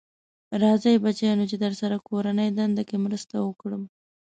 راځی بچیانو چې درسره کورنۍ دنده کې مرسته وکړم.